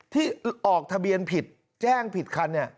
ที่ออกทะเบียนผิดแจ้งผิดคันเนี่ย